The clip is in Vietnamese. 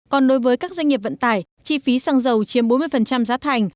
còn đối với các doanh nghiệp vận tải chi phí xăng dầu chiếm bốn mươi giá thành